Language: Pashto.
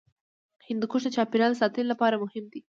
هندوکش د چاپیریال ساتنې لپاره مهم دی.